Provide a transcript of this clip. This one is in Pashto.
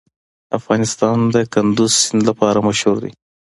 افغانستان د کندز سیند لپاره مشهور دی.